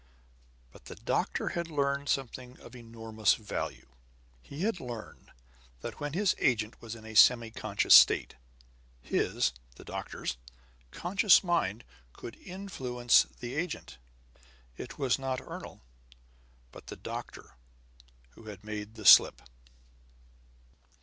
But the doctor had learned something of enormous value. He had learned that, when his agent was in a semiconscious state, his the doctor's conscious mind could influence the agent. It was not Ernol, but the doctor, who had made the slip!